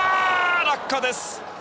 落下です。